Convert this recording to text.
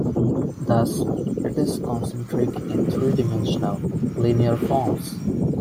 Thus, it is concentric in three-dimensional, linear forms.